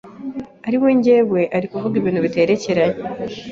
ari we njyewe ari kuvuga ibintu biterekeranye